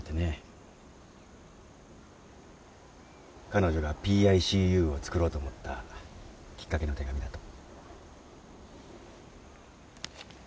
彼女がＰＩＣＵを作ろうと思ったきっかけの手紙だと。